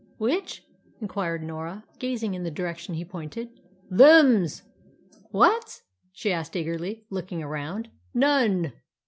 "Which's?" inquired Norah, gazing in the direction he pointed. "Them's." "What's?" she asked eagerly, looking around. "None!